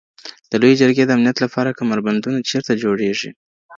د لویې جرګي د امنیت لپاره کمربندونه چېرته جوړیږي؟